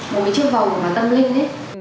một chiếc vòng mà tâm linh